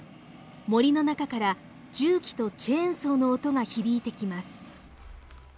森の中から重機とチェーンソーの音が響いてきます。